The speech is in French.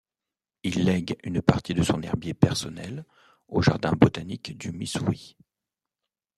Il lègue une partie de son herbier personnel au jardin botanique du Missouri.